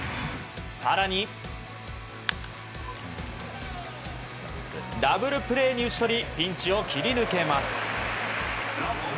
更に、ダブルプレーに打ち取りピンチを切り抜けます。